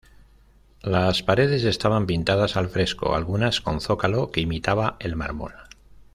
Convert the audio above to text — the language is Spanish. Las paredes estaban pintadas al fresco, algunas con zócalo que imitaba el mármol.